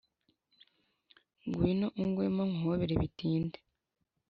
Ngwino ungwemo nkuhobere bitinde